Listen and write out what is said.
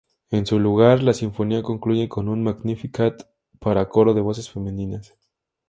En su lugar, la sinfonía concluye con un Magnificat para coro de voces femeninas.